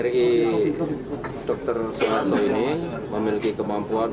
ri dr suharto ini memiliki kemampuan